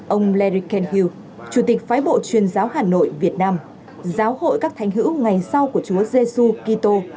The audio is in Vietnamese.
ông larry kenhill chủ tịch phái bộ chuyên giáo hà nội việt nam giáo hội các thành hữu ngày sau của chúa giê xu kỳ tô